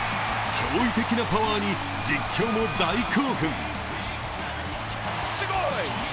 驚異的なパワーに実況も大興奮。